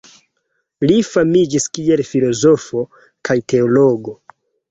Li famiĝis kiel filozofo kaj teologo.